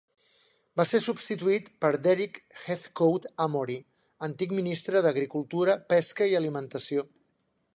Va ser substituït per Derick Heathcoat Amory, antic ministre d'Agricultura, Pesca i Alimentació.